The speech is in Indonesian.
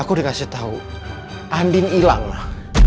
aku udah kasih tau andin hilang mak